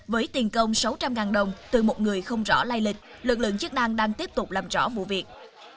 với tiền công sáu trăm linh đồng từ một người không rõ lai lịch lực lượng chức năng đang tiếp tục làm rõ vụ việc